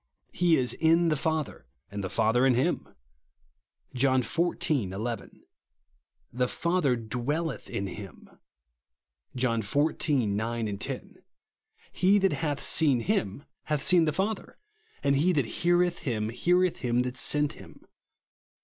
He is " in the Father, and the Father in him " (John xiv. 11); "the Father dwelleth in him" (John xiv. 9, 10); "he that hath seen him hath seen the Father ;" and "he that heareth him, heareth him that sent him."